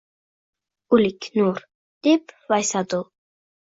Oʻlik nur! – deb vaysadi u.